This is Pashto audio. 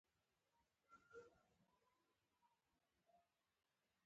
په هدیره کې یو نوی قبر ښخ شو.